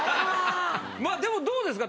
まあどうですか？